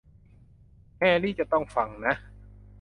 แฮร์รี่จะต้องฟังนะ